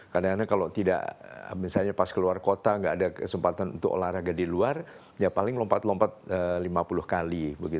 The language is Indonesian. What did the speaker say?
karena kalau tidak misalnya pas keluar kota nggak ada kesempatan untuk olahraga di luar ya paling lompat lompat lima puluh kali